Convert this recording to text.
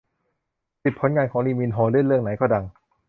สิบ ผลงานของ ลีมินโฮ เล่นเรื่องไหนก็ดัง